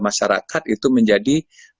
masyarakat itu menjadi